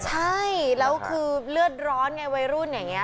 ใช่แล้วคือเลือดร้อนไงวัยรุ่นอย่างนี้